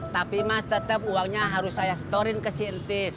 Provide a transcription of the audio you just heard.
tapi mas tetep uangnya harus saya store in ke si tis